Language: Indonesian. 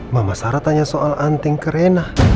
mama sarah tanya soal anting ke rena